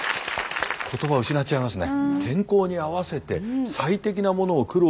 言葉を失っちゃいますね。